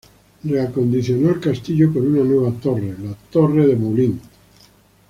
Reacondicionó el castillo con una nueva torre, "Tour du Moulin".